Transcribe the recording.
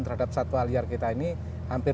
terhadap satwa liar kita ini hampir